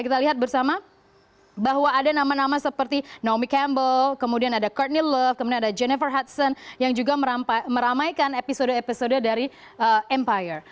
kita lihat bersama bahwa ada nama nama seperti naomic camble kemudian ada courtney love kemudian ada jennifer hatson yang juga meramaikan episode episode dari empire